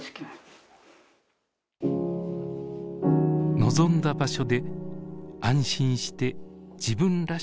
望んだ場所で安心して自分らしく暮らす。